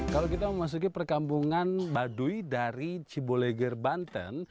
kalau kita mau masuk ke perkampungan baduy dari ciboleger banten